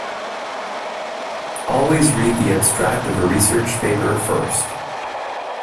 Always read the abstract of a research paper first.